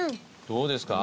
どうですか？